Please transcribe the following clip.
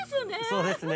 そうですね。